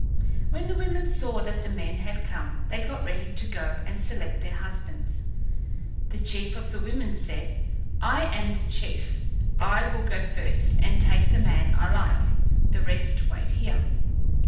When the women saw that the men had come they got ready to go and select their husbands. The chief of the women said, "I am the chief. I will go first and take the man I like. The rest wait here."